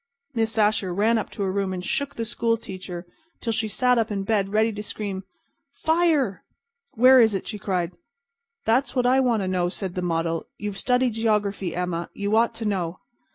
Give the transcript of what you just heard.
Miss Asher ran up to her room and shook the school teacher until she sat up in bed ready to scream "Fire!" "Where is it?" she cried. "That's what I want to know," said the model. "You've studied geography, Emma, and you ought to know.